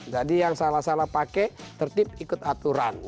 jadi yang salah salah pakai tertib ikut aturan